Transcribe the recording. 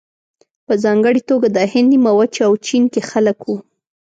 په ځانګړې توګه د هند نیمه وچه او چین کې خلک وو.